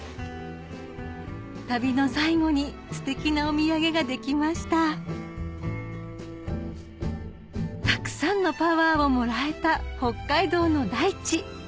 旅の最後にステキなお土産が出来ましたたくさんのパワーをもらえた北海道の大地